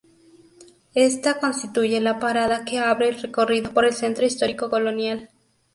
Esta constituye la parada que abre el recorrido por el Centro Histórico Colonial.